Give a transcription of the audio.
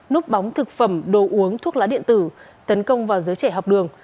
núp bóng thực phẩm đồ uống thuốc lá điện tử tấn công vào giới trẻ học đường